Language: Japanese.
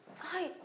はい。